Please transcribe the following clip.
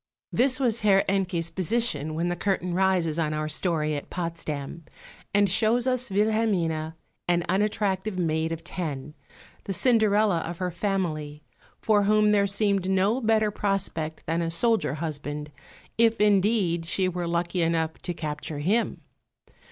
This was Herr Encke's position when the curtain rises on our story at Potsdam, and shows us Wilhelmine, an unattractive maid of ten, the Cinderella of her family, for whom there seemed no better prospect than a soldier husband, if indeed she were lucky enough to capture him.